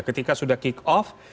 ketika sudah kick off